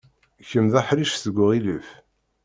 Kemm d aḥric seg uɣilif.